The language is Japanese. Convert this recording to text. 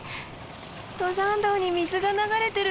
登山道に水が流れてる！